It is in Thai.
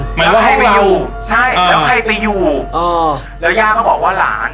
เหมือนว่าห้องเราใช่แล้วใครไปอยู่แล้วย่าก็บอกว่าหลาน